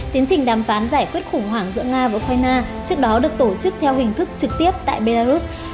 tiến trình đàm phán giải quyết khủng hoảng giữa nga và ukraine trước đó được tổ chức theo hình thức trực tiếp tại belarus